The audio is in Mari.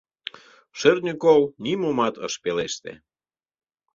Шӧртньӧ кол нимомат ыш пелеште